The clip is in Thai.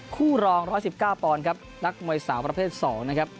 คู่รองร้อยสิบเก้าปอนครับนักมวยสาวประเภทสองนะครับ